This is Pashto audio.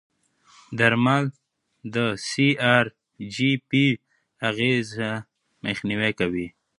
درمل د سی ار جي پي اغېزې مخنیوي کوي.